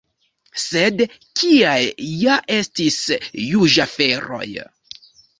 Sed kiaj ja estis juĝaferoj?!